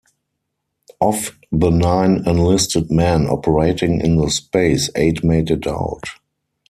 Of the nine enlisted men operating in the space, eight made it out.